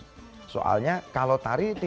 tari suvi ini sebenarnya bukan tarian suvi